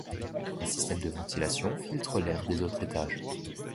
Un système de ventilation filtre l'air des autres étages.